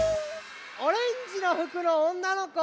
オレンジのふくのおんなのこ。